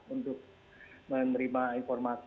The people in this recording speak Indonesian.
untuk menerima informasi